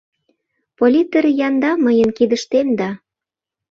Политр янда мыйын кидыштем да